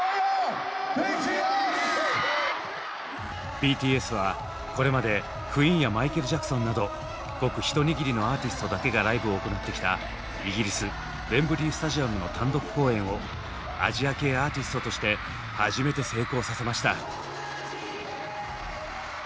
ＢＴＳはこれまでクイーンやマイケル・ジャクソンなどごく一握りのアーティストだけがライブを行ってきたイギリス・ウェンブリー・スタジアムの単独公演をアジア系アーティストとして初めて成功させました。